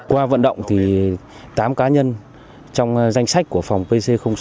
qua vận động thì tám cá nhân trong danh sách của phòng pc sáu